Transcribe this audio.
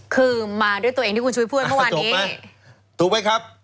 คือมาด้วยตัวเองที่คุณชุวิตพูดเมื่อวานนี้ถูกไหมครับ